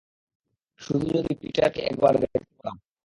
শুধু যদি পিটারকে একবার দেখতে পারতাম।